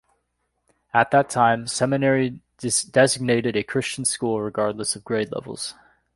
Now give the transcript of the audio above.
At that time, "seminary" designated a Christian school regardless of grade levels.